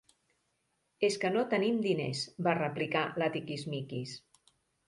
És que no tenim diners —va replicar la Tiquismiquis.